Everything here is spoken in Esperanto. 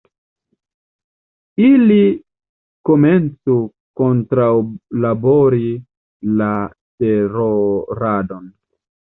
Ili komencu kontraŭlabori la teroradon.